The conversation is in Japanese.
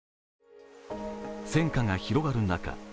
戦火が広がる中